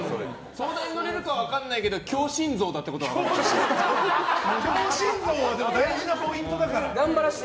相談に乗れるかは分からないけど強心臓は大事なポイントだから。